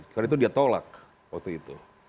karena itu dia tolak waktu itu